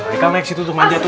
aikal naik ke situ tuh maja tuh